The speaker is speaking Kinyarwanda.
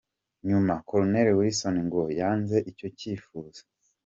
Nyuma Col. Wilson ngo yanze icyo cyifuzo.